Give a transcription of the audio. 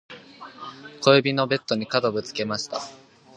今朝ベッドの角に小指をぶつけました。